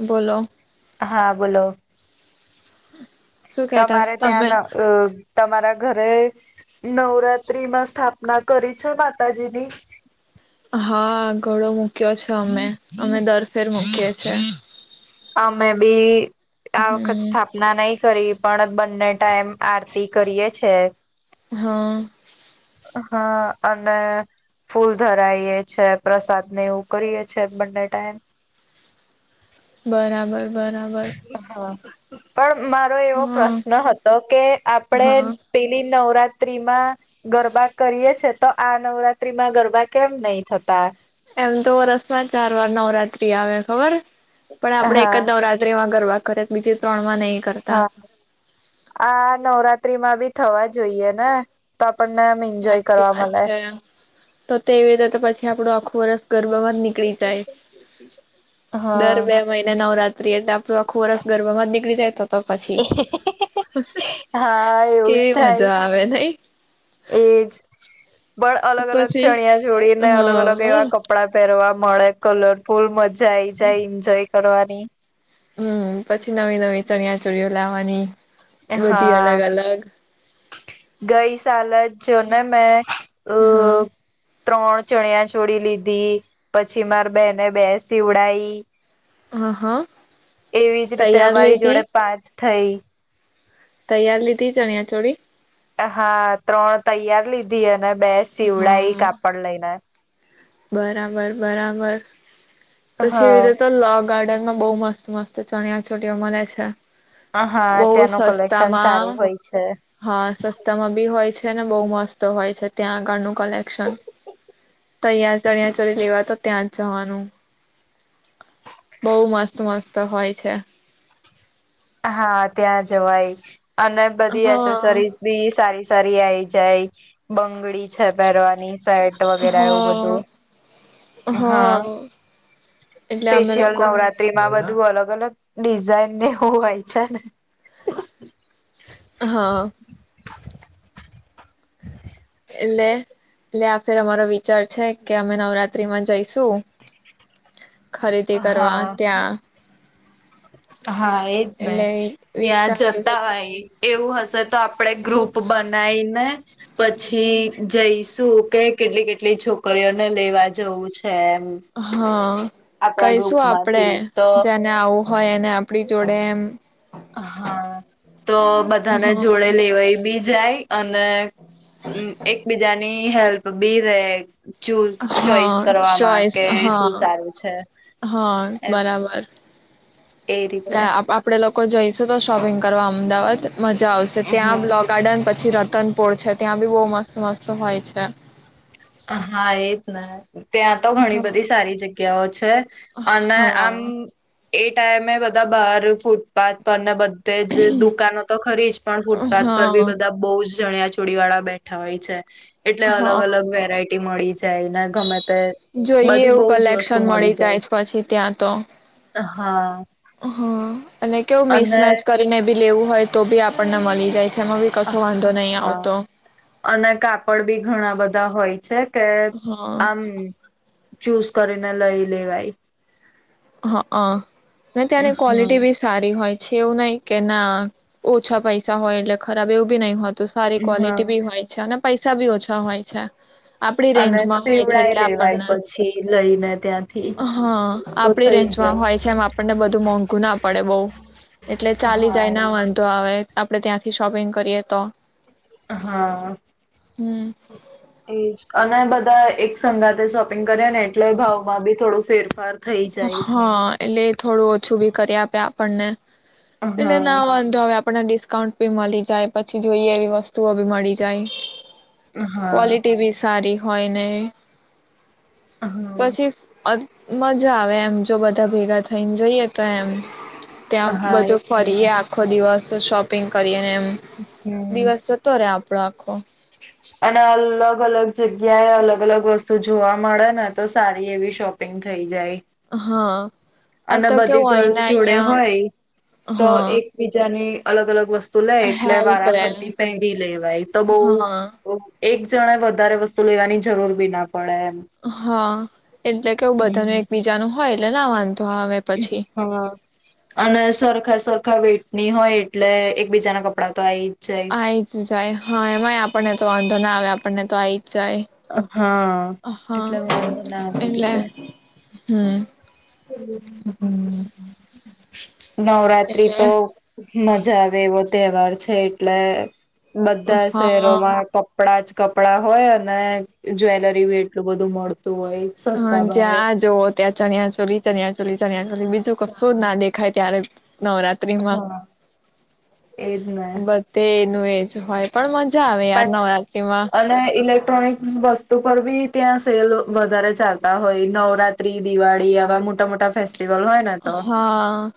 બોલો હા બોલો હમ તમારે ત્યાં તમારા ઘરે નવરાત્રીમાં સ્થાપના કરી છે માતાજીની હા ઘણો મો- મૂક્યો છો અમે અમે દરફેર મૂકીએ છીએ હે અમે બી આ વખત હમ સ્થાપના નહી ફરી પણ બંને ટાઈમ આરતી કરીયે છે હા. હા અને ફૂલ ધરાઈએ છે પ્રસાદ ને એવું કરીએ છે બંને ટાઈમ બરાબર. બરાબર હા. પણ મારો એવો હા પ્રશ્ન હતો કે આપણે હા પેલી નવરાત રાત્રીમાં ગરબા કરી છે તો આ નવરાત્રી માં ગરબા કેમ નહી થતા એમ તો વરસ માં ચાર વાર નવરાત્રી આવે ખબર હ પણ આપડે એક હા જ નવરાત્રી માં કરવા ખરેક બીજે હા આ નવરાત્રી માં બી થવા જ જોઈએ ને ત પણ મેમ એન્જોય સાચી કરવાવા વાત મલા છે તો તેવી રીતે તો પછી આપણું આખું વરસ ગરબામાં નીકળી જાય દર હા. બે મહિના નવરાત્ર પ્રિય આપડ આખોવરસ ગરબમાં જ નીકળીજાય તો પછી હા એવું જ કેવી થાય મજા આવે નઈ એજ બ અલગ અલગ પછી ચણિયા જોડીને અલગ અલગ એવા હા કપડાં પહેરવા મળે કલરફૂલ મજા આઈ જાય એન્જોય કરવાની. હમ પછી નવી નવી ચણિયા ચોળઓ લાવવાની. બધી હા, અલગ અલગ ગઈ સાલત જોને મેં અ હા ત્રણ ચણિયા છોડી લીધી, પછી માર બેને બે સીવડઈ. હ હા. એવી જ રીતે તૈયાર અમારી જોડે લીધી પાંચ થઈ. તૈયાર લીધી ચણ્યા ચોળી? હા ત્રણ તૈયાર લીધી એ બે શીવડા એ હા કાપડ લઈને. બરાબર બરાબર. પછીરે હા તો લાભ ગાર્ડનમાં બઉુ મસ્ત મસ્ત ચણિયા ચોળઓ મળે છે. હા બહ ત્યાંનું કલેક્શન સસ્તામાં, સારું હોય છે હા સસ્તામાં બી હોય છે ને બહુ મસ્ત હોય છે ત્યાં આગળનું કલેકશન. તહીયાં ચળિયા ચડી લેવા તો ત્યાં જ જવાનું, બહ મસ્ત મસ્ત હોય છે. હા ત્યાં જવાય. અને બધી હા એસેસરીઝ બી સારી સરી આઈ જાય, બંગડી છે પહેરવાની વગે એવું હા બધું, હા, એટલે અમે સ્પેશિયલ લોકો નવરાત્રીમાં બ એ અલગ અલગ ડિઝાઈન હોવાય છે ને. હા. હ [inaudible] એટલે એટલે આખેર અમારો વિચાર છે કે અમે નવરાત્રીમાં જઈશું. ખરીદી કરવા ત્યાં હમ [inaudible] હા એજ ને, એટલે ત્યાં વિચાર્યું જતા છે હોય એવું હશે તો આપણેે ગ્રુપ બનાવીને પછી જઈશું કે કેટલી કેટલી છોકરીઓ લેવા જવું છે એમ, હા આપણા કઈશું આપડે ગ્રુપમાંથી તો જેને આવું હોય એને આપડી જોડે એમ. હા તો હ બધાને જોડે લેવાય બી જાય અને એકબીજાની હેલ્પ બી રહે હા ચોઈસ શું હા સારું છે હા એ બરાબર એ રીતે એટલે આપડે લોકો જોઈ તો શોપિંગ કરવા અમદાવાદ મજા આવશે ત્યાં હમ લો ગાર્ડન પછી રત તનપુર છે ત્યાં બી બહુ, મસ્ત મસ્ત હોય છે હા એ જ ના ત્યાં તો ઘણી બધી સારી જગ્યા કેવો છે અને હા આમ એ ટાઈમે બધા બહાર ફૂટપાથ પર ને બ તે જ દુકાનો તો ખરી જ પણ ફૂટપાથ પર બી હા બધા બઉ જ જણિયા ચોડી વાળા બેઠા હોય છે એટલે અલગ હા અલગ વે રાયટી મળી જાય ના ગમત જોઈએ એવું કલેક્શન મળી જાય છે પછી ત્યાં તો હા હ અને કેવું અને મિક્સમેચ કરીને બી લેવું હોય તો બી આપણને મળી જાય છે એમાં બી કશો વાંધો નહીં હા આવતો અને કાપડ બી ઘણા બધા હોય છે. કે હા આમ ચૂઝ કરીને લઈ લેવાય હા ત્યાંની હા ક્વોલિટી બી સારી હોય છ એવું નઈ કે ના ઓછા પૈસા હોય એટલે ખરાબ એવું બી નહી હોત તો સારી હા ક્વોલિટી બી હોય છે. પૈસા બી ઓછા હોય છે. આપડી અને રેન્જમાં હોય છે સેવડાય એટલે લેવાય આપણને પછી લઈને ત્યાંથી થઈ રેજમાં જાય. હોય છે એમ આપણને બધું મોંઘું ના આપ પડે બહુ એટલે ચાલી હા જાય ના એ જ. વાંધો આવે એમ આપડણે ત્યાંથી શોપિંગ કરીએ તો હા હમ એજ અને બધા એક સંગાતે શોપિંગ કર્યા ને એટલે ભાવમાં બી થોડું ફેર હા એટલે થોડું ઓછું બી કરી આપ્યા આપણને. પેલે ના હા વાંધો હવે આપને ડિસ્કાઉન્ટ ભી મળી જાય પછી જોઈએ એવી વસ્તુઓ બી મળી જાય. હા ક્વલિટી ભી સારી હોયને હા પછી મજા આવે એમ જો બધા ભેગા થઈને જોઈએ તો એમ. ત્યાં હા એ બધું જ ને ફરીએ આખો દિવસ શોપિંગ કરીએ હમ. દિવસ જતો ર આપ રાખો. અને અલગ અલગ જગ્યાએ અલગ અલગ વસ્તુ જોવા મળે ને તો સારી એવી શોપિંગ થઈ જાય. હા. આ અને તો બધી કેવું ગર્લ્સ અહીને જોડે અહિયાં હોય, તો હા એકબીજા અને અલગ અલગ વસ્તુ તુ લે એટલે હેલ્પ વારા રે ફરતી પહેરી લેવાય તો બઉ હા એક જણા વધારે વસ્તુ લેવાની જરૂર બી ના પડે. એમ. હા, એટલે કેવું હમ્મ બધાનું એકબીજા ન હોય એટલે લવા હા, અને સરખા સરખા વે નહી હોય એટલે એકબીજા ના કપડાં તો આ આઈ જાય. હા એમાંય આપણને તો વાંધો ના આવે આપણને તો આઈ જાય, હા હા એટલે વાંધો ના આવે એ એલે હમ. હમ. નવરાત્રી તો એટલે મજા આવે એવો તહેવાર છે એટલે બધા હા શહેરોમાં કપડા જ કપડા હોય અને જ્વેલરી એટલું બધું મળતું હોય સસ્તા હ ભાવે ત્યાં આ જવો ત્યાં ચણ્યા ચોરી તન્યા ટલી ચલી બીજું કશું જ ના દેખાય ત્યારે. નવરાત્રી માં. હા એજ ને બધ એનું એજ હોય. પણ મન મજા આવે યાર ન નવરાત્રીમાં. ક્ટ્રોનિક્ વસ્તુ પર બી ત્યાં સેલ વધારે ચાલતા હોય નવરાત્રી દિવાળી આવા મોટા મોટા ફેસ્ સ્ટિવલ હોય ને તો. હા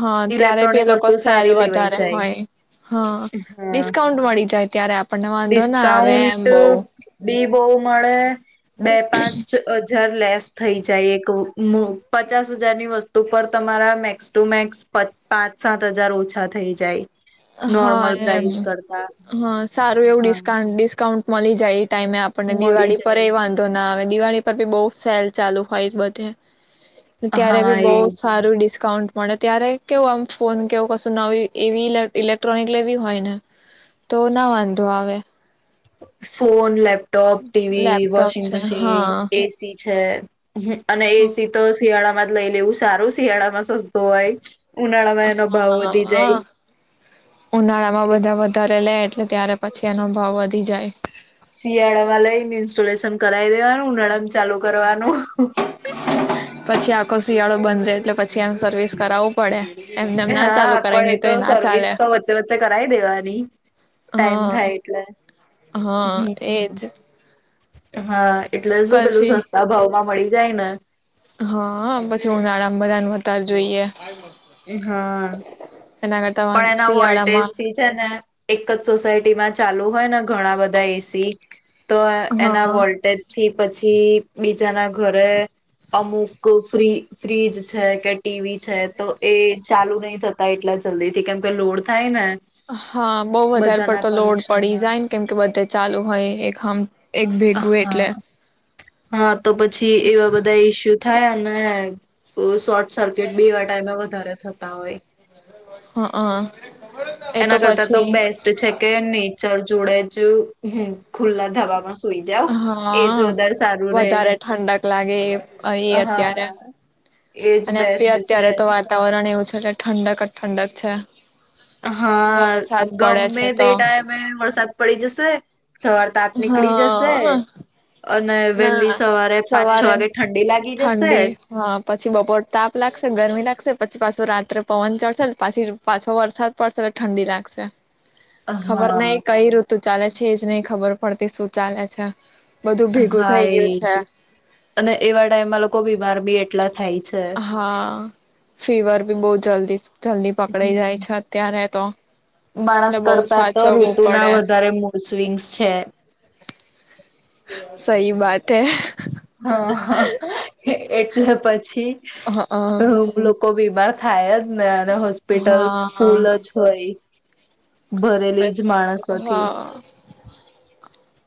હા ત્યારે બી ઇલેક્ટ્રોનિક એ લોકો વસ્તુ સેલ સારી લેવાય વધારે જાય હોય હા હા ડિસ્કાઉન્ટ મળી જાય ત્યારે આપ ડિસ્કાઉન્ટ બી બહવ મળે. બે પાંચ અ જ જાર લેસ થઈ જાય એક પચાસ હજારની વસ્તુ પર તમારા મેક્સ ટુ મેક્સ પાંચ સાત હજાર ઓછા થઈ જાય. હા નોર્મલ ને પ્રાઇસ કરતા મ હ સારુ. એ વું હા ડિકાઉન્ટ મલી જાય. ટાઈમે આપણને મળી દિવાળી પર એ જાય વાંધો ના હવે દિવાળી પર બી બહુ સેલ ચાલુ હોય બધે. ત્યારે હા બી બહ એજ સારું ડિસ્કાઉન્ટ મળ ત્યારે કેવું આમ ફોન કેવું કશું નવી એવી ઇલેક્ટ્રોનિક લેવી હોય ને તો ના વાંધો આવે. Phone laptop, TV, laptop washing છે મશીન, હા એ સી છે. હમ્મ અને એ સી તો શિયાળામાં લઈ લેવું સારું શિયાળામાં સસ્તો હોય. ઉનાળામાં એનો ભાવ વધી જાય હઅ ઉનાળા માં બધા વધારે લે. એટલે ત્યારે પછી એનો ભાવ વધી જાય શિયાળા વા ઈન્સ્ટોલેશન કરાવ દેવાનું ઉનાળા માં ચાલુ કરવાનું. પછી આખ શિયાળો બંધ રહે એટલે પછી આ સર્વિસ કરાવવું પડે. એમને એમ ના હા ચાલુ કરાય આપડ એ નહી તો ના સર્વિસ ચાલે તો વચ્ચે વચ્ચે કરાવ દેવાની, ટાઈમ હા થાય એટલે હા હમ. એજ હા. એટલે શું પેલું પછી સસ્તા ભાવમાં મળી જાય ને. જેવું આરામ બધાનુર જોઈએ. હા. એના કરતા પણ એના વોલ્ટેજ શિયાળામાં થી છે ને, એક જ સોસાયટી માં ચાલુ હોય ને ઘણા બધા એસી. તો એના હા. વોલ્ટેજ થી પછી બીજા જના ઘરે અમુક ફ્રી ફ્રીજ છે કે ટીવી છે તો એ ચાલુ નહીિ થતા એટલે જ જલ્દી થી કેમ કે લોડ થાય ને હા બહ વધારે બધાના પડતો લોડ પડી કનેક્શનમાં જાય ને કેમ કે બધે ચાલુ હોય એક હમ. એક ભેગું એટલે હા, હા તો પછી એવા બધા ઈસ્યુ ઉઠ યા ના શટ સર્કિટ બી એવા ટાઈમે વધારે થત તો હોય. હા હા. એ એના કરતા તો પછી બેસ્ટ છે કે નેચર જોડા છે હ ખુલ્લા ધાબ મસ હા, રે વધારે ઠંડક લાગે એ એ હા અત્યારે. એજ અને બેસ્ટ છે અત્યારે તો વાતાવરણ એવું છે ઠંડક ઠંડક છે. વરસાદ હા પડે ગમે છે તે તો ટાઈમે વરસાદ પડી જશે. સવાર તત નીકળી જશે. હા અને વહેલી ના સવારે પાંચ છ સવારે વાગે લાગી જશે ઠંડી હા પછી બપોર તાપ લાગશે. ગરમી લાગશે પછી પાછો રાત્રે પવન ચડશે પાછી પાછો વરસાદ પડશે એટલે ઠંડી લાગશે. ખબર નઈ હા કઈ ઋતુ ચાલે છે. છે જ નહી ખબર પડતી શું ચાલે છે, બધું ભેગું હા થઈ ગયું એજ, છે અને એવા ટાઈમમાં લોકો બીમાર બી એટલા થાય છે. હા. ફીવર ભી બહુત જલ્દી જલ્દી પકડાઈ હમ જાય છે અત્યારે તો. એટલે માણસ બહુ કરતા તો સાચવવું ઋતુના પડે વધારે મૂળ સ્વંગ્સ છે. સહી બાત હૈ. હા એટલે પછી હ હા અ લોકો બી. બીમાર થાય જ ને. હોસ્પિટલ હા. ફૂલ જ હોય. ભરેલી જ માણસોથી.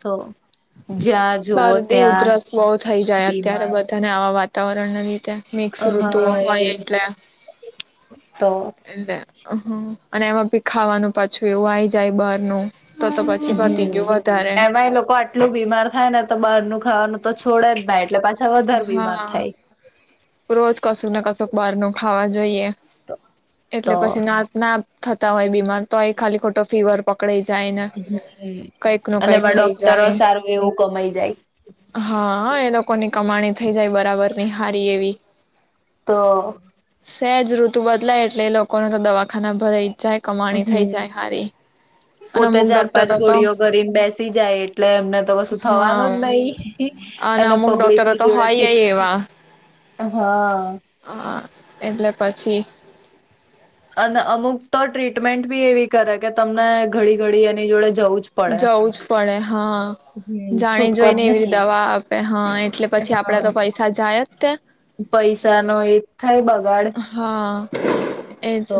તો. જ્યાં જોવો શરદી ત્યાં. ઉધરસ બહુ થઈ જાય અત્યારે બીમાર બધાને આવા. વાતારણ રીતે. મિક્સ ઋતુ હા હોય એજ એટલે તો એટલે અને. પીખાવાનું પાછું એવું આઈ જાય બહારનું તો તો પછી પતી હમ્મ ગયું વધારે એમાં એ લોકો એટલું બીમાર થાય ને તો બહારનું ખાવાનું તો છોડે જ નહીં એટલે પાછ. વધારે બીમાર થાય. કશું ને કશું બહાર નું ખાવા જોઈએ. એટલે તો પછી ના ના થતા હોય બીમાર તો એ ખાલી ખો. ફીવર પકડે અને એમાં થઈ ડોક્ટરો જાય સારું એવું કમાઈ જાય. પ્રમાણે થઈ જાય બરાબર ની હારી એવી. તો. ઋતુ બદલાય એટલે એ લોકોને તો દવા. હમ્મ હારી અને પોતે અમુક ચાર પાંચ ડોક્ટરો તો ગોળઓ ઘરીને બેસી જાય એટલે એમને તો કશુ થવાનું જ હા નહી અને અમુક પબ્લિક. ડોક્ટરો તો હોયય એવા. હા. હ એટલે પછી. અને અમુક તો ટ્રીટમેન્ટ બી એવી કરે કે તમને ઘડી ઘડી એની જોડે. જવું જ પડે જવું જ પડે હા હમ જાણે છૂટકો જોઈને જ એવી નહી દવા આપે હા એટલે પછી હા આપડા તો પૈસા જાય જ કે પૈસા નો એ થાય. બગાડ હા એજ તો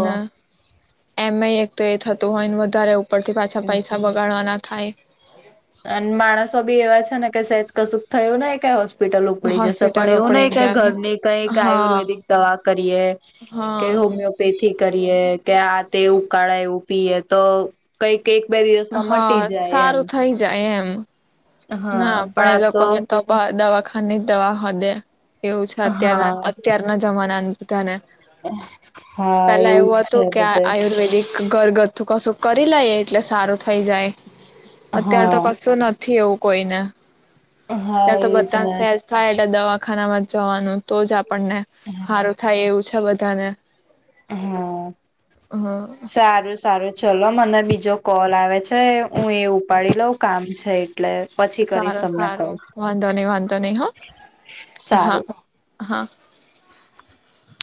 એમ એક તો એ થતું હોય ને વધારે. ઉપથી પાછા પૈસા બગાડવા ના થાય. અને માણસો બી એવા છે ને કે સેજ કશું થયું ને ક. હોસ્પિટલ ઉપડી જશે પણ હોસ્પિટલો એવું પડી નહી કઈ ગયા ઘરની કઈક હા આયુર્વેદિક દવા કરીએ કે હા હોમિયોપેથી કરીએ કે આ તે ઉકાળા એવું પીએ તો કઈક કે એક બે દિવસમાં મટી જાય એમ હ ના પણ એ લોકો ને તો બા દવાખાની જ દવા હદે એવું છે અત્યારના હા અત્યારના જમાના બધા ને હા પેલા જ એવું છે હતું કે આ બધે આયુર્વેદિક ઘરગથ તું કશું કરી લઈએ એટલે સારું થઈ જાય અત્યાર તો હા કશું નથી એવું કોઈને હા ત્યાં તો એજ બધા ને સેજ થાય એટલે દવાખાનામાં જવાનું તો જ આપ આપણને હા સારું થાય એવું છે બ તને હા સારું સારું ચલો મને બીજો કોલ આવે છે હું એ ઉપાડી લઉં કામ છે એટલે પછી કરીશ સારું તમને કોલ સારું વાંધો નઈ વાંધો નહી હા હા સારું હા